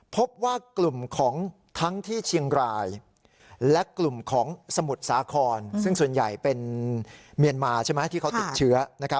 พบว่ากลุ่มของทั้งที่เชียงรายและกลุ่มของสมุทรสาครซึ่งส่วนใหญ่เป็นเมียนมาใช่ไหมที่เขาติดเชื้อ